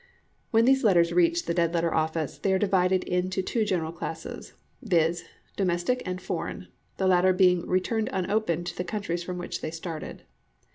When these letters reach the Dead letter Office, they are divided into two general classes, viz., Domestic and Foreign, the latter being returned unopened to the countries from which they started.